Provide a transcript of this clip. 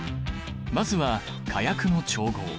まずは火薬の調合。